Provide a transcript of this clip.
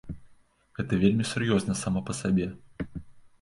Гэта вельмі сур'ёзна само па сабе.